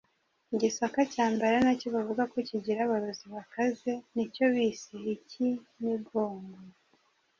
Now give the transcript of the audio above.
I Gisaka cya mbere ari nacyo bavuga ko kigira abarozi bakaze nicyo bise icy’i Migongo,